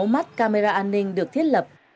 một mươi sáu mắt camera an ninh được thiết lập